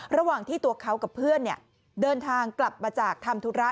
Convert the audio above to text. ระหว่างที่ตัวเขากับเพื่อนเดินทางกลับมาจากทำธุระ